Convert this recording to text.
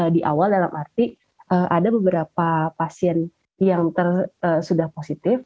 di awal dalam arti ada beberapa pasien yang sudah positif